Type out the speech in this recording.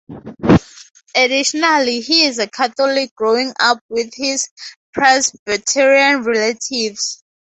Additionally, he is a Catholic growing up with his Presbyterian relatives.